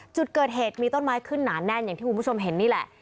จุดเกิดเหตุมีต้นไม้ขึ้นหนาแน่นอย่างที่คุณผู้ชมเห็นนี่แหละ